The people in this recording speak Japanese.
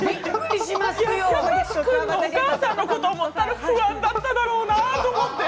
貴司君のお母さんのことを思ったら不安だっただろうなって。